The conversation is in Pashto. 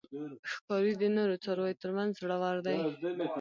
ښکاري د نورو څارویو تر منځ زړور دی.